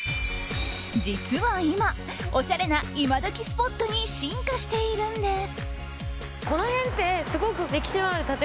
実は今おしゃれなイマドキスポットに進化しているんです。